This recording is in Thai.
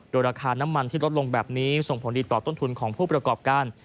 โดยราคาน้ำมันที่ลดลงแบบนี้ส่งผลดีต่อต้นทุนของผู้ประกอบการ